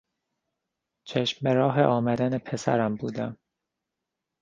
چشم به راه آمدن پسرم بودم.